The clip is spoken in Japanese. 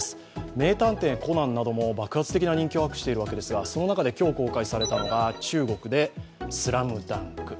「名探偵コナン」なども爆発的な人気を博しているのですがそんな中で公開されたのが中国で「ＳＬＡＭＤＵＮＫ」。